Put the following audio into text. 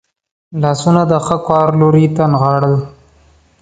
لاسونه د ښه کار لوري ته نغاړل.